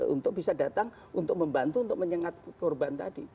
untuk bisa datang untuk membantu untuk menyengat korban tadi